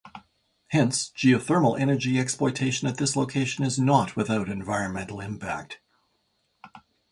Hence, geothermal energy exploitation at this location is not without environmental impact.